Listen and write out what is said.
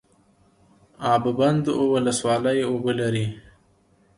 اب بند ولسوالۍ اوبه لري؟